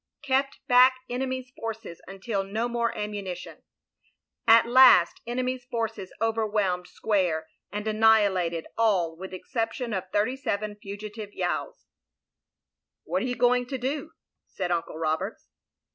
"... kept back enemy s forces until no mme ammunition. ... at last enemy's forces over whelmed square and annihilated all with exception ^/ 37 fi^gitive Ycu)s.'' "What are you going to do?" said Uncle Roberts.